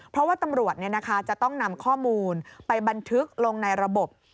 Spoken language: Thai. เพราะว่าตำรวจจะต้องนำข้อมูลไปบันทึกลงในระบบ